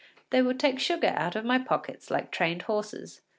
They would take sugar out of my pockets like trained horses.